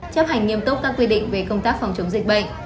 chấp hành nghiêm túc các quy định về công tác phòng chống dịch bệnh